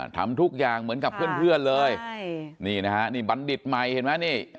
ทำทุกอย่างเหมือนกับเพื่อนเลยนี่นะฮะบรรดิตใหม่เห็นไหม